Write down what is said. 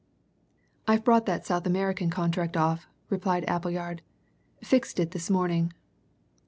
"I've brought that South American contract off," replied Appleyard. "Fixed it this morning."